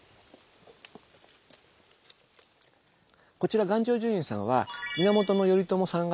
こちら願成就院さんは源頼朝さんがですね